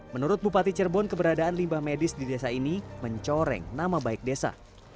menurut bupati cirebon keberadaan limbah medis di desa ini mencoreng nama baik desa